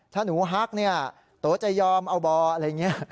ถ้าหนูฮักเนี่ยโตจะยอมเอาบ่ออะไรอย่างนี้